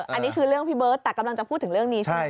อันนี้คือเรื่องพี่เบิร์ตแต่กำลังจะพูดถึงเรื่องนี้ใช่ไหม